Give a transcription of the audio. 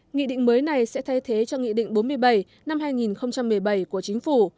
nghị định mới này sẽ thay thế cho nghị định bốn mươi bảy năm hai nghìn một mươi bảy của chính phủ